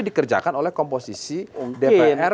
dikerjakan oleh komposisi depan mungkin